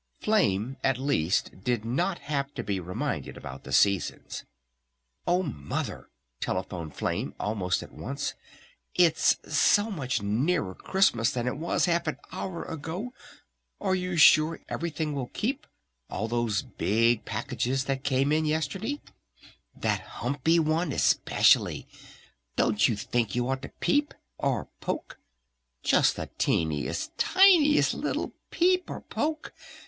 Flame at least did not have to be reminded about the Seasons. "Oh mother!" telephoned Flame almost at once, "It's so much nearer Christmas than it was half an hour ago! Are you sure everything will keep? All those big packages that came yesterday? That humpy one especially? Don't you think you ought to peep? Or poke? Just the teeniest, tiniest little peep or poke?